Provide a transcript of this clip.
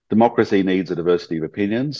jadi demokrasi butuh kebanyakan pendapatan